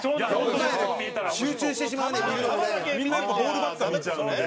副島：みんな、やっぱボールばっか見ちゃうので。